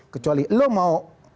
kecuali lo mau